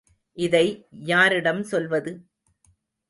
இதை யாரிடம் சொல்வது?